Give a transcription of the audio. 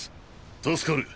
助かる。